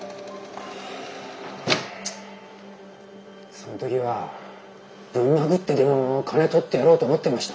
そんときはぶん殴ってでも金とってやろうと思ってました。